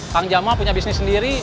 kang jamah punya bisnis sendiri